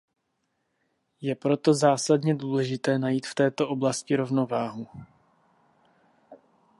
Je proto zásadně důležité najít v této oblasti rovnováhu.